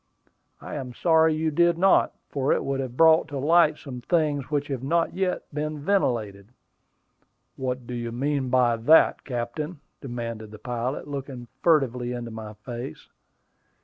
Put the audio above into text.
"I am sorry you did not, for it would have brought to light some things which have not yet been ventilated." "What do you mean by that, captain?" demanded the pilot, looking furtively into my face.